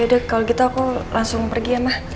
yaudah kalau gitu aku langsung pergi ya mak